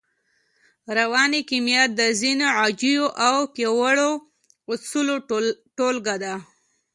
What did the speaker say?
رواني کيميا د ځينو عجييو او پياوړو اصولو ټولګه ده.